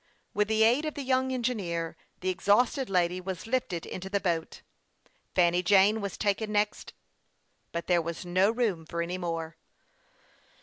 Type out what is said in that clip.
With the aid of the young engineer, the exhausted lady was lifted into the boat. Fanny Jane was next taken in, but there was no room for any more.